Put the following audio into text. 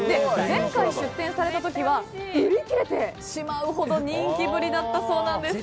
全国に出店した時には売り切れてしまうほどの人気ぶりだったそうなんです。